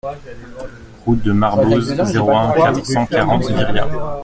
Route de Marboz, zéro un, quatre cent quarante Viriat